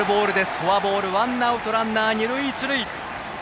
フォアボールワンアウトランナー、二塁一塁。